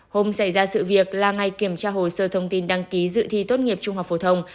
hôm xảy ra sự việc là ngày kiểm tra hồ sơ thông tin đăng ký dự thi tốt nghiệp trung học phổ thông